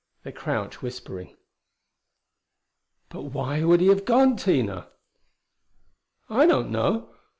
They crouched, whispering. "But why would he have gone, Tina?" "I don't know.